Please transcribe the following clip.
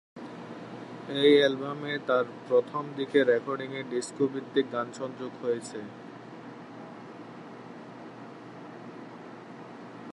এই অ্যালবামে তার প্রথম দিকের রেকর্ডিংয়ের ডিস্কো ভিত্তিক গান সংযুক্ত হয়েছে।